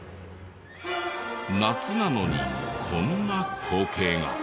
夏なのにこんな光景が。